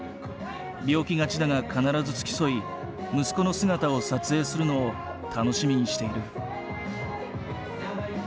病気がちだが必ず付き添い息子の姿を撮影するのを楽しみにしている。